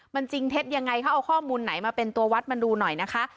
มันจริงเท็จยังไงเขาเอาข้อมูลไหนมาเป็นตัววัดมาดูหน่อยนะคะ